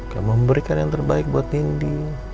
yang memberikan yang terbaik buat nindi